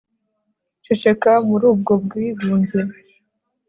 Ceceka muri ubwo bwigunge